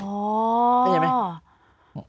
หลายครั้งหลายครั้ง